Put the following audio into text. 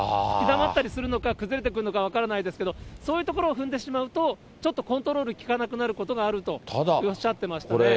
吹きだまったりするのか、崩れてくるのか分からないんですけど、そういうところを踏んでしまうと、ちょっとコントロール利かなくなることがあるとおっしゃってましただ